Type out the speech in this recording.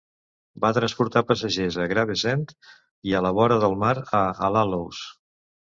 Va transportar passatgers a Gravesend i a la vora del mar a Allhallows.